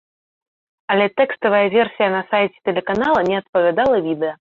Але тэкставая версія на сайце тэлеканала не адпавядала відэа.